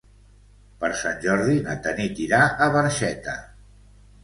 Per Sant Jordi na Tanit irà a Barxeta.